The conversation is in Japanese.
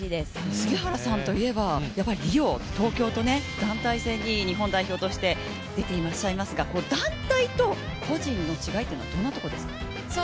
杉原さんといえば、リオ、東京に日本代表として出ていらっしゃいますが団体と個人の違いというのはどんなところですか？